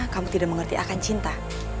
kamu tidak mengerti akan cinta